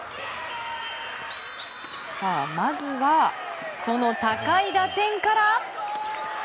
まずは、その高い打点から。